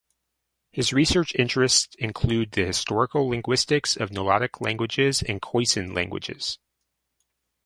His research interests include the historical linguistics of Nilotic languages and Khoisan languages.